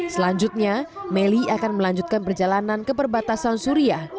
selanjutnya melly akan melanjutkan perjalanan ke perbatasan suriah